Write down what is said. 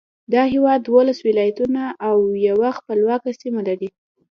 دا هېواد دولس ولایتونه او یوه خپلواکه سیمه لري.